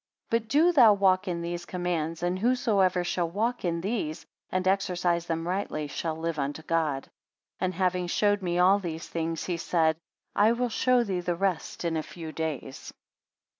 But do thou walk in these commands, and whosoever shall Walk in these, and exercise them rightly, shall live unto God. 84 And having showed me all these things, he said; I will show thee the rest in a few days.